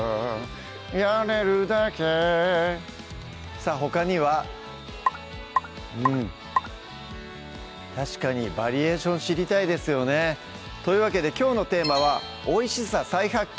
さぁほかにはうん確かにバリエーション知りたいですよねというわけできょうのテーマは「おいしさ再発見！